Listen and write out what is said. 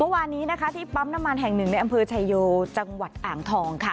เมื่อวานนี้นะคะที่ปั๊มน้ำมันแห่งหนึ่งในอำเภอชายโยจังหวัดอ่างทองค่ะ